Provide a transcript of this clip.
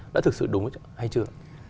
đã thực sự đúng hay chưa